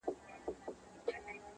یه د زمان د ورکو سمڅو زنداني ه,